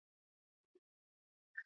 东北抗日联军。